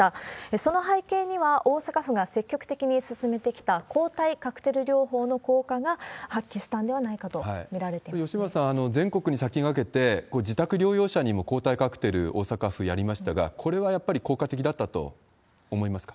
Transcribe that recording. その背景には、大阪府が積極的に進めてきた抗体カクテル療法の効果が発揮したん吉村さん、全国に先駆けて自宅療養者にも抗体カクテル、大阪府やりましたが、これはやっぱり効果的だったと思いますか？